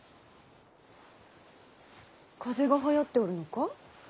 風邪がはやっておるのか。